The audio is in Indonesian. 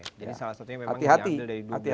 jadi salah satunya memang diambil dari dua kota